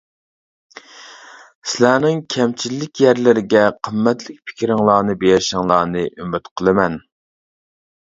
سىلەرنىڭ كەمچىللىك يەرلىرىگە قىممەتلىك پىكرىڭلارنى بېرىشىڭلارنى ئۈمىد قىلىمەن.